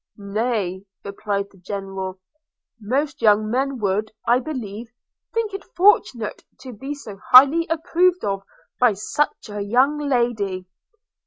'Nay,' replied the General, 'most young men would, I believe, think it fortunate to be so highly approved of by such a young lady!'